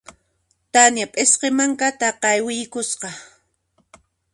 Tania p'isqi mankata qaywiykusqa.